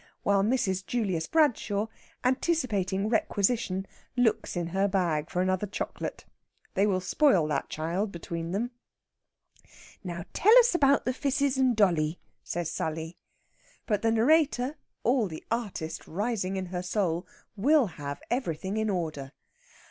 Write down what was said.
while Mrs. Julius Bradshaw, anticipating requisition, looks in her bag for another chocolate. They will spoil that child between them. "Now tell us about the fisses and dolly," says Sally. But the narrator, all the artist rising in her soul, will have everything in order.